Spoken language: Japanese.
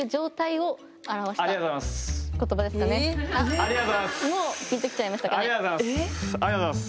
ありがとうございます。